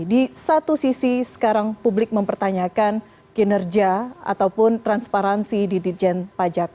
di satu sisi sekarang publik mempertanyakan kinerja ataupun transparansi di ditjen pajak